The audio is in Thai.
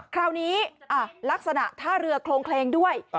คราวนี้ลักษณะท่าเรือโครงเคลงด้วย